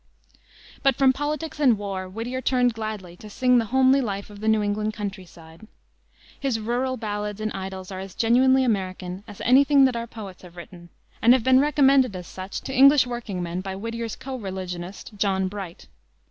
But from politics and war Whittier turned gladly to sing the homely life of the New England country side. His rural ballads and idyls are as genuinely American as any thing that our poets have written, and have been recommended, as such, to English working men by Whittier's co religionist, John Bright.